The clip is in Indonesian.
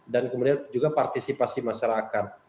dan kemudian juga partisipasi masyarakat